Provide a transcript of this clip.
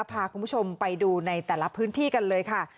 พาคุณผู้ชมไปดูในแต่ละพื้นที่กันเลยค่ะ